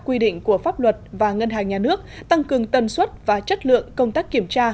quy định của pháp luật và ngân hàng nhà nước tăng cường tần suất và chất lượng công tác kiểm tra